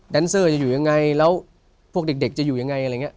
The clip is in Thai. เซอร์จะอยู่ยังไงแล้วพวกเด็กจะอยู่ยังไงอะไรอย่างนี้